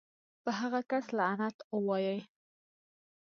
پۀ هغه کس لعنت اووائې